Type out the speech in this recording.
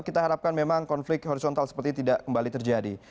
dan kita harapkan memang konflik horizontal seperti tidak kembali terjadi